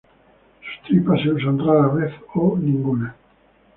Sus tripas se usan rara vez, o ninguna.